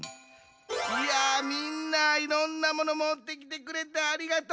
いやみんないろんなモノもってきてくれてありがとう。